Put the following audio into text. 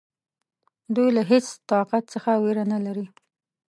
دوی له هیڅ طاقت څخه وېره نه لري.